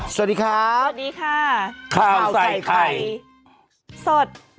สวัสดีครับสวัสดีค่ะข้าวใส่ไข่สด